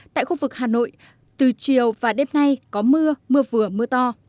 tại khu vực hà nội từ chiều và đêm nay có mưa mưa vừa mưa to